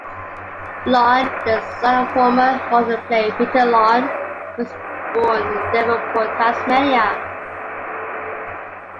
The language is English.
Lyon, the son of former Hawthorn player Peter Lyon, was born in Devonport, Tasmania.